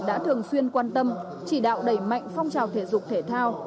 đã thường xuyên quan tâm chỉ đạo đẩy mạnh phong trào thể dục thể thao